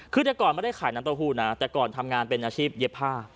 คือแต่ก่อนไม่ได้ขายน้ำเต้าหู้นะแต่ก่อนทำงานเป็นอาชีพเย็บผ้า